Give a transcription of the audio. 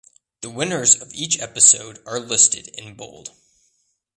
The winners of each episode are listed in bold.